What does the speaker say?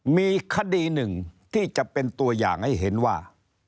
มีคดีหนึ่งที่จะเป็นตัวอย่างให้เห็นว่า